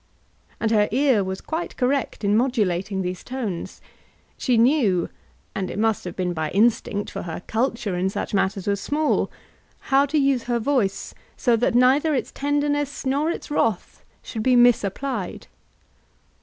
And her ear was quite correct in modulating these tones. She knew, and it must have been by instinct, for her culture in such matters was small, how to use her voice so that neither its tenderness nor its wrath should be misapplied.